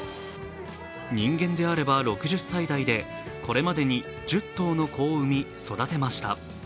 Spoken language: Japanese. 人間であれば６０歳台でこれまでに１０頭の子を生み育てました。